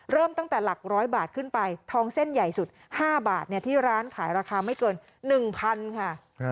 เริ่มตั้งแต่หลักร้อยบาทขึ้นไปทองเส้นใหญ่สุด๕บาทที่ร้านขายราคาไม่เกิน๑๐๐๐ค่ะ